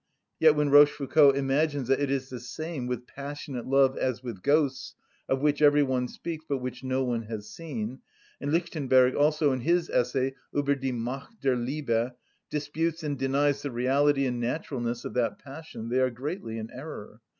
Yet, when Rochefoucauld imagines that it is the same with passionate love as with ghosts, of which every one speaks, but which no one has seen; and Lichtenberg also in his essay, "Ueber die Macht der Liebe," disputes and denies the reality and naturalness of that passion, they are greatly in error.